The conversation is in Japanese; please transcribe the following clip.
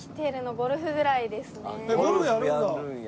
ゴルフやるんや。